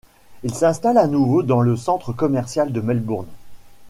Il s'installe à nouveau dans le centre commercial de Melbourne.